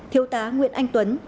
thiếu tá nguyễn anh tuấn